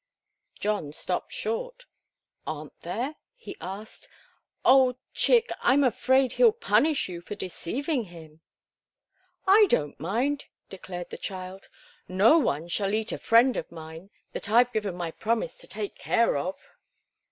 John stopped short. "Aren't there?" he asked. "Oh, Chick! I'm afraid he'll punish you for deceiving him." "I don't mind," declared the child. "No one shall eat a friend of mine that I've given my promise to take care of.